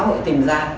xã hội tìm ra